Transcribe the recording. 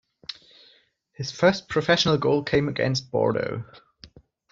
His first professional goal came against Bordeaux.